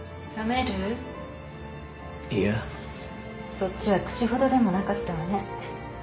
そっちは口ほどでもなかったわね。